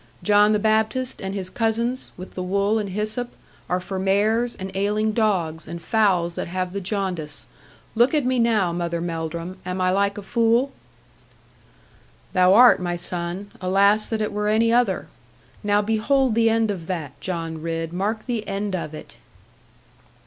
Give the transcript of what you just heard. John the Baptist and his cousins, with the wool and hyssop, are for mares, and ailing dogs, and fowls that have the jaundice. Look at me now, Mother Melldrum, am I like a fool?' 'That thou art, my son. Alas that it were any other! Now behold the end of that; John Ridd, mark the end of it.'